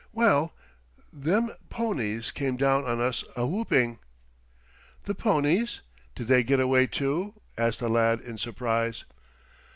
"Well, them ponies came down on us a whooping." "The ponies? Did they get away, too?" asked the lad in surprise.